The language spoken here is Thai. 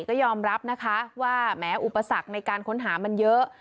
ก็ยอมรับนะคะว่าแม้อุปสรรคในการค้นหามันเยอะ